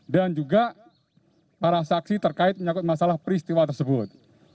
dan juga para saksi terkait menyangkut masalah peristiwa tersebut